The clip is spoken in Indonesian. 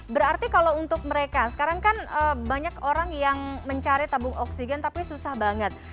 berarti kalau untuk mereka sekarang kan banyak orang yang mencari tabung oksigen tapi susah banget